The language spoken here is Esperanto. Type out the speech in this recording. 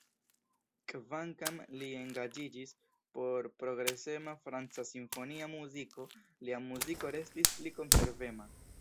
Kvankam li engaĝiĝis por progresema franca simfonia muziko, lia muziko restis pli konservema.